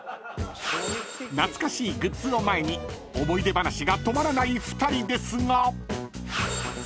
［懐かしいグッズを前に思い出話が止まらない２人ですが］